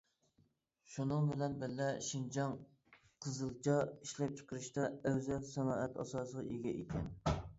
شۇنىڭ بىلەن بىللە شىنجاڭ قىزىلچا ئىشلەپچىقىرىشتا ئەۋزەل سانائەت ئاساسىغا ئىگە ئىكەن.